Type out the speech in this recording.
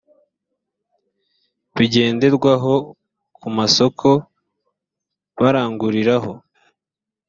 bigenderwaho ku masoko baranguriraho